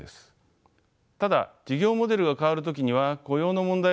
ただ事業モデルが変わる時には雇用の問題は避けて通れません。